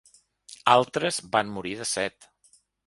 Altres van morir de set.